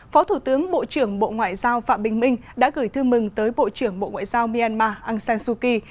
phó thủ tướng bộ trưởng bộ ngoại giao phạm bình minh đã gửi thư mừng tới bộ trưởng bộ ngoại giao myanmar aung san suu kyi